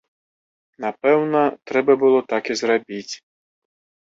Напэўна, трэба было так і зрабіць.